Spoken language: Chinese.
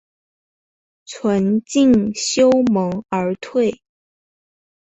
存敬修盟而退。